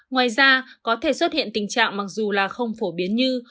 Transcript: ngoài ra có thể xuất hiện tình trạng mặc dù là không phổ biến như